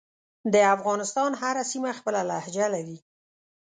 دافغانستان هره سیمه خپله لهجه لری